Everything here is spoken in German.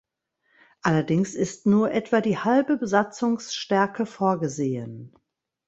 Allerdings ist nur etwa die halbe Besatzungsstärke vorgesehen.